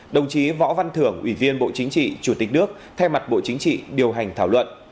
đồng chí võ văn thưởng ủy viên bộ chính trị chủ tịch nước thay mặt bộ chính trị điều hành thảo luận